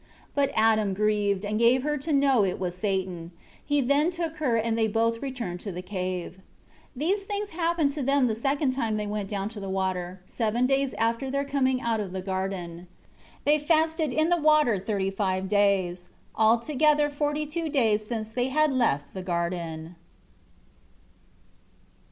14 But Adam grieved, and gave her to know it was Satan. He then took her and they both returned to the cave. 15 These things happened to them the second time they went down to the water, seven days after their coming out of the garden. 16 They fasted in the water thirty five days; altogether forty two days since they had left the garden.